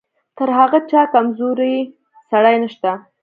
تر هغه چا کمزوری سړی نشته.